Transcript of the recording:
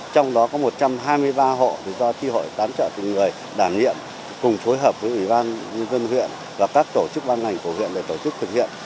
trong đó có một trăm hai mươi ba hộ do tri hội tán trợ tình người đảm nhiệm cùng phối hợp với ủy ban nhân dân huyện và các tổ chức ban ngành của huyện để tổ chức thực hiện